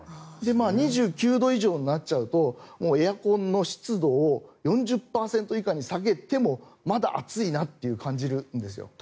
２９度以上になっちゃうとエアコンの湿度を４０％以下に下げてもまだ暑いなと感じるんですよ。